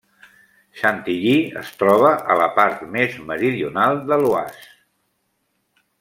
Chantilly es troba a la part més meridional de l'Oise.